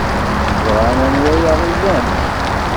Ẓran anwa ay aɣ-ilan.